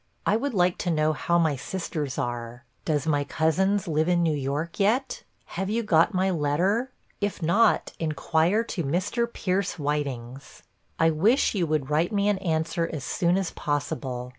I would like to know how my sisters are. Does my cousins live in New York yet? Have you got my letter? If not, inquire to Mr. Pierce Whiting's. I wish you would write me an answer as soon as possible.